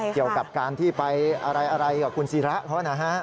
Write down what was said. เกี่ยวกับการที่ไปอะไรกับคุณศิระเขานะฮะ